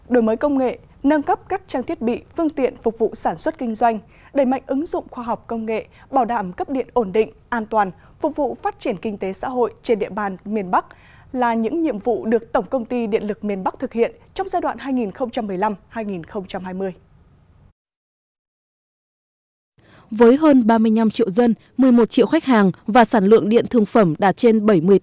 đổi mới công nghệ nâng cấp các trang thiết bị phương tiện phục vụ sản xuất kinh doanh đẩy mạnh ứng dụng khoa học công nghệ bảo đảm cấp điện ổn định an toàn phục vụ phát triển kinh tế xã hội trên địa bàn miền bắc là những nhiệm vụ được tổng công ty điện lực miền bắc thực hiện trong giai đoạn hai nghìn một mươi năm hai nghìn hai mươi